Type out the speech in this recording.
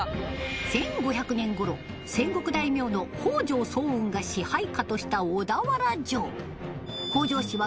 １５００年頃戦国大名の北条早雲が支配下とした小田原城